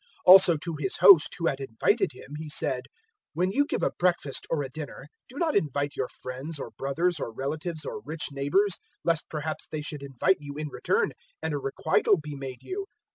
014:012 Also to His host, who had invited Him, He said, "When you give a breakfast or a dinner, do not invite your friends or brothers or relatives or rich neighbours, lest perhaps they should invite you in return and a requital be made you.